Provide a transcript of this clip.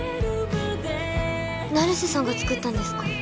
成瀬さんが作ったんですか？